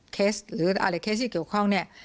เคสหรืออะไรเคสที่เกี่ยวข้องเนี่ย